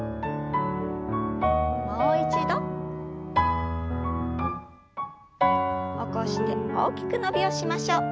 もう一度。起こして大きく伸びをしましょう。